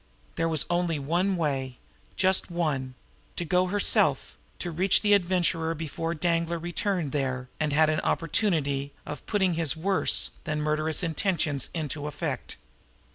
There was only one way, just one to go herself, to reach the Adventurer herself before Danglar returned there and had an opportunity of putting his worse than murderous intentions into effect.